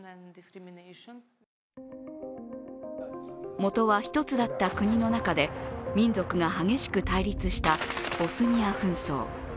元は１つだった国の中で民族が激しく対立したボスニア紛争。